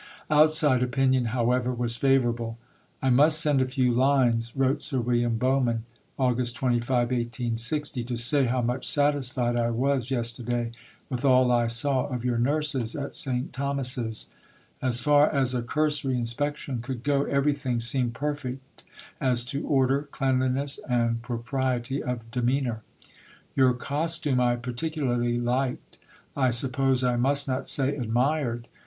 Outside opinion, however, was favourable. "I must send a few lines," wrote Sir William Bowman (Aug. 25, 1860), "to say how much satisfied I was yesterday with all I saw of your nurses at St. Thomas's. As far as a cursory inspection could go, everything seemed perfect as to order, cleanliness, and propriety of demeanour. Your costume I particularly liked, I suppose I must not say, admired.